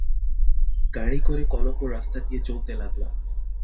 গাড়ী করে কলম্বোর রাস্তা দিয়ে চলতে লাগলাম।